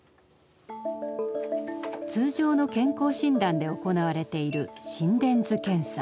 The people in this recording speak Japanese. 通常の健康診断で行われている心電図検査。